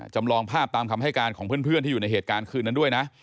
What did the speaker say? จำลองภาพตามคำให้การของเพื่อนที่อยู่ในเหตุการณ์คืนนั้นด้วยนะ